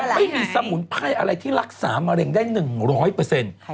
ยังไม่มีสมุนไพรอะไรสมุนไพรไม่ได้๑๐๐เปอร์เซ็นต์